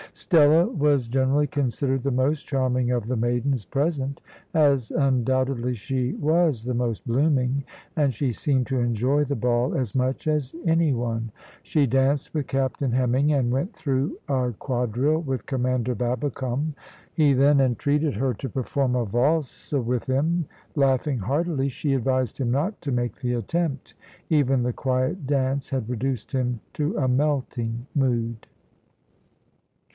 Stella was generally considered the most charming of the maidens present, as undoubtedly she was the most blooming, and she seemed to enjoy the ball as much as any one. She danced with Captain Hemming, and went through a quadrille with Commander Babbicome. He then entreated her to perform a valse with him. Laughing heartily, she advised him not to make the attempt. Even the quiet dance had reduced him to a melting mood.